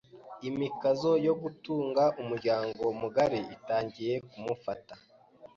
Imikazo yo gutunga umuryango mugari itangiye kumufata.